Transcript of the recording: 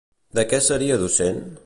De què seria docent?